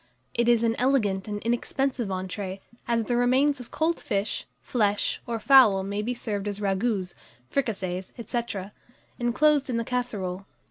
It is an elegant and inexpensive entrée, as the remains of cold fish, flesh, or fowl may be served as ragoûts, fricassees, &c., inclosed in the casserole.